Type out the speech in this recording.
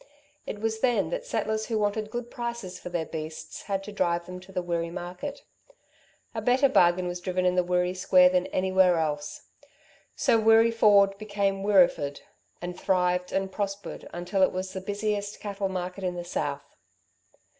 It was then that settlers who wanted good prices for their beasts had to drive them to the Wirree market. A better bargain was driven in the Wirree square than anywhere else. So Wirree Ford became Wirreeford, and thrived and prospered until it was the busiest cattle market in the south.